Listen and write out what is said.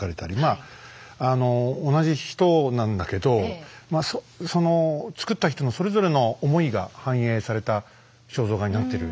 あの同じ人なんだけどその作った人のそれぞれの思いが反映された肖像画になってる印象ですね。